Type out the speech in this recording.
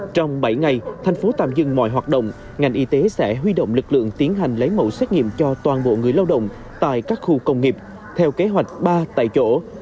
trong bảy ngày thành phố tạm dừng mọi hoạt động ngành y tế sẽ huy động lực lượng tiến hành lấy mẫu xét nghiệm cho toàn bộ người lao động tại các khu công nghiệp theo kế hoạch ba tại chỗ